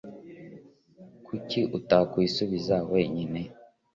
kuki utakwisubiza wenyine